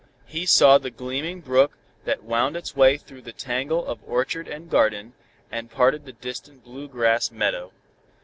He saw the gleaming brook that wound its way through the tangle of orchard and garden, and parted the distant blue grass meadow.